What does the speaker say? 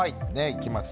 いきます。